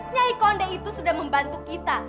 nyai konde itu sudah membantu kita